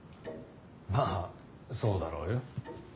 まあそうだろうよ。